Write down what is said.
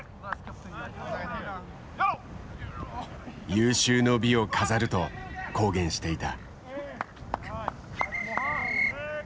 有終の美を飾ると公言していた。